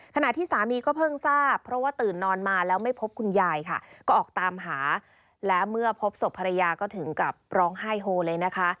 ขณะที่สามีก็เพิ่งทราบเพราะว่าตื่นนอนมาแล้วไม่พบคุณยายค่ะก็ออกตามหาและเมื่อพบศพภรรยาก็ถึงกับร้องไห้โฮเลยนะคะ